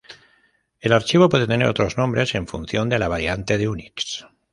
El archivo puede tener otros nombres en función de la variante de Unix.